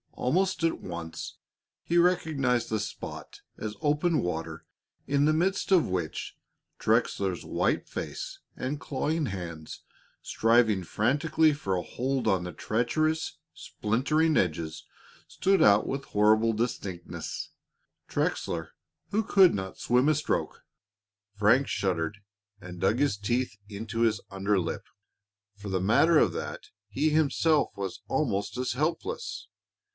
Almost at once he recognized the spot as open water in the midst of which Trexler's white face and clawing hands striving frantically for a hold on the treacherous, splintering edges stood out with horrible distinctness Trexler, who could not swim a stroke! Frank shuddered and dug his teeth into his under lip. For the matter of that, he himself was almost as helpless.